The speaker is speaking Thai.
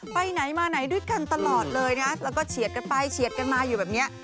ไปไหนมาไหนด้วยกันตลอดเลยนะแล้วก็เฉียดกันไปเฉียดกันมาอยู่แบบเนี้ย